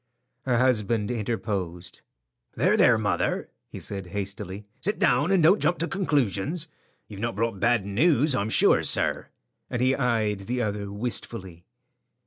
Her husband interposed. "There, there, mother," he said, hastily. "Sit down, and don't jump to conclusions. You've not brought bad news, I'm sure, sir;" and he eyed the other wistfully.